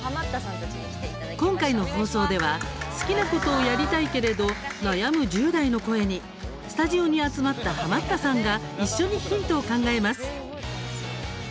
今回の放送では好きなことをやりたいけれど悩む１０代の声に、スタジオに集まったハマったさんが一緒にヒントを考えます。